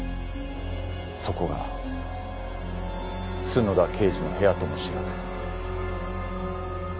そこが角田刑事の部屋とも知らずに。